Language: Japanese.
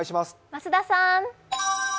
増田さん。